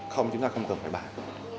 không chúng ta không cần phải bảo